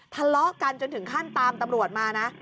ทะเลาะกันจนถึงขั้นตามตำรวจมานะ